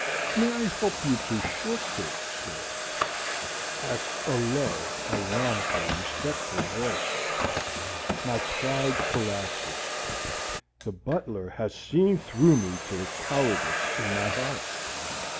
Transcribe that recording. "May I help you to shortcake, sir?" asks a low, ironically respectful voice. My pride collapses. The butler has seen through me to the cowardice in my heart.